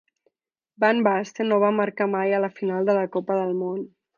Van Basten no va marcar mai a la final de la Copa del Món.